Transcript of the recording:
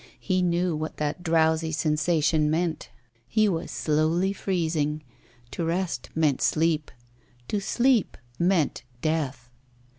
He knew what that drowsy sensation meant. He was slowly freezing. To rest meant sleep to sleep meant death.